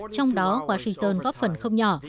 trong đó washington góp phần không nhỏ